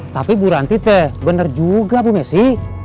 tapi ibu ranti teh bener juga bu messi